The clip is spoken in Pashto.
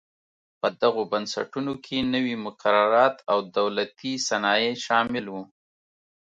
په دغو بنسټونو کې نوي مقررات او دولتي صنایع شامل و.